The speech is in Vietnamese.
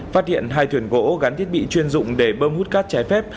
phát hiện hai thuyền gỗ gắn thiết bị chuyên dụng để bơm hút cát trái phép